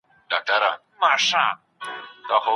هغه څوک چي بصیرت نلري ښه څېړنه نسي کولای.